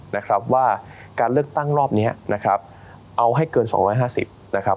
นะครับว่าการเลือกตั้งรอบเนี้ยนะครับเอาให้เกินสองร้อยห้าสิบนะครับ